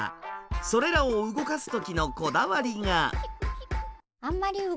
それらを動かす時のこだわりが。